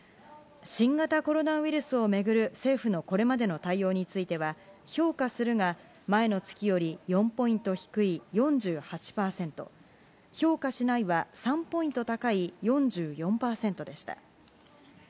新型コロナウイルスを巡る政府のこれまでの対応については「評価する」が前の月より４ポイント低い４８％「評価しない」は３ポイント高い４４％でした。